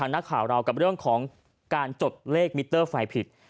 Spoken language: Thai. หรือเรื่องของการจดเลขมิเตอร์ไฟผิด